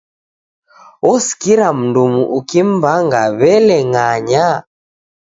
Osikira mndumu ukim'mbanga, w'ele ng'anya!